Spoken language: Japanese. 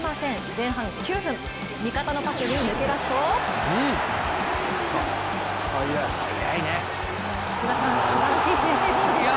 前半９分味方のパスに抜け出すと福田さん、すばらしい先制ゴールでした